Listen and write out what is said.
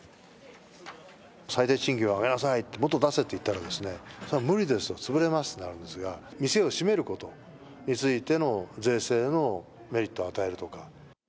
最大賃金を上げなさい、もっと出せっていったらですね、それは無理ですよ、つぶれますってなるんですが、店を閉めることについての税制のメリットを与えるとか。